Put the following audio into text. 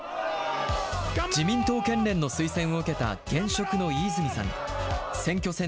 自民党県連の推薦を受けた現職の飯泉さん。